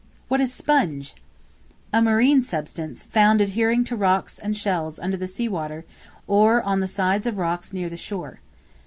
What is Sponge? A marine substance, found adhering to rocks and shells under the sea water, or on the sides of rocks near the shore.